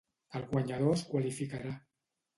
El guanyador es qualificarà.